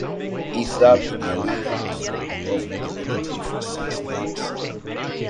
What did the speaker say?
He served in the Ohio House of Representatives for six terms.